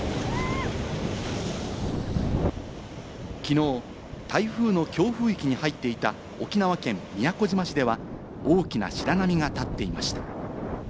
きのう、台風の強風域に入っていた沖縄県宮古島市では、大きな白波が立っていました。